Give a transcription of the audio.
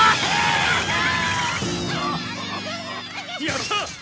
やったー！